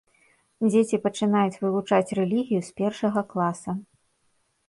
Дзеці пачынаюць вывучаць рэлігію з першага класа.